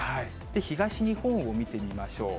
東日本を見てみましょう。